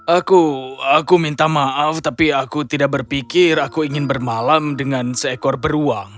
aku aku minta maaf tapi aku tidak berpikir aku ingin bermalam dengan seekor beruang